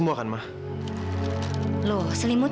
aku akan menantang bala yang wertforce mengerti